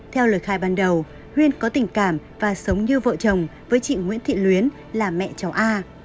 theo lời khai ban đầu huyên có tình cảm và sống như vợ chồng với chị nguyễn thị luyến là mẹ cháu a